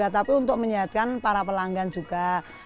tapi untuk menyehatkan para pelanggan juga